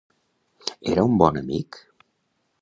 Era un bon amic?